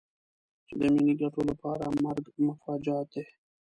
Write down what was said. چې د ملي ګټو لپاره مرګ مفاجات دی.